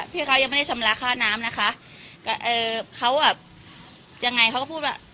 พี่เขายังไม่ได้ชำระค่าน้ำนะคะกับเอ่อเขาแบบยังไงเขาก็พูดว่า